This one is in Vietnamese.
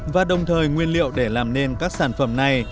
và đồng thời nguyên liệu để làm nên các sản phẩm này